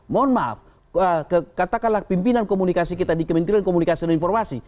mohon maaf katakanlah pimpinan komunikasi kita di kementerian komunikasi dan informasi